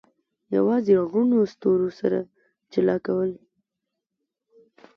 یوازې رڼو ستورو سره جلا کول.